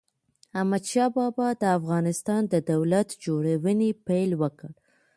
احمد شاه بابا د افغانستان د دولت جوړونې پيل وکړ.